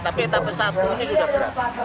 tapi etapa satu ini sudah berapa